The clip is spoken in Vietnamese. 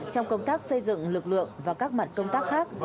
trong công tác xây dựng lực lượng và các mặt công tác khác